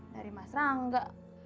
dari mas rangga